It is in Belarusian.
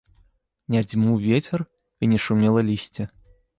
Не дзьмуў вецер і не шумела лісце.